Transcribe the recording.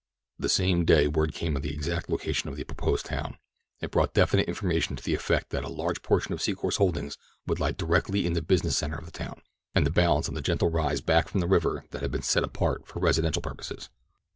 The same day word came of the exact location of the proposed town—it brought definite information to the effect that a large portion of Secor's holdings would lie directly in the business center of the town, and the balance on the gentle rise back from the river that had been set apart for residential purposes.